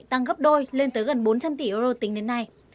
tăng gấp đôi lên tới gần bốn trăm linh tỷ euro tính đến nay